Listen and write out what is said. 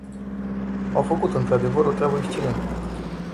Au făcut, într-adevăr, o treabă excelentă.